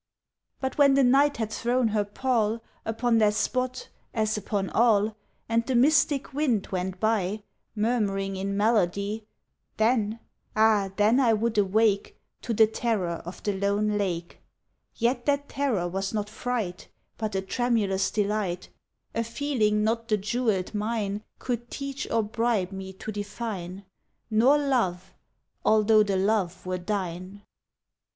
But when the Night had thrown her pall Upon that spot, as upon all, And the mystic wind went by Murmuring in melody Then ah then I would awake To the terror of the lone lake Yet that terror was not fright, But a tremulous delight A feeling not the jewelled mine Could teach or bribe me to define Nor Love although the Love were thine.